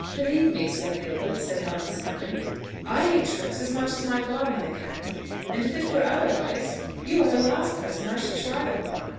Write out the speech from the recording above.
"Believe me, Sir Gilbert," said Helen, smiling, "I hate tricks as much as my godmother can: and if it were otherwise, you are the last person I should try them upon.